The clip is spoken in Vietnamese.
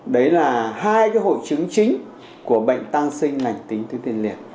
đấy là hai hội chứng chính của bệnh tăng sinh lành tính tiêu tiền liệt